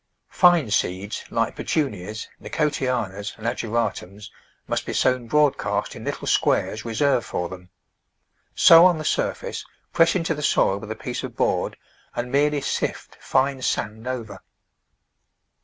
Fine seeds like Petunias, Nicotianas and Ageratums must be sown broadcast in little squares reserved for them. Sow on the surface, press into the soil with a piece of board and merely sift fine sand over.